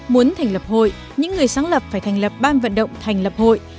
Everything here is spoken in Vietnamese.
muốn thành lập hội những người sáng lập phải thành lập ban vận động thành lập hội